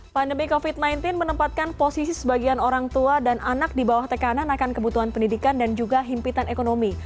pandemi covid sembilan belas menempatkan posisi sebagian orang tua dan anak di bawah tekanan akan kebutuhan pendidikan dan juga himpitan ekonomi